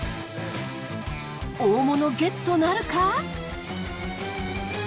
大物ゲットなるか？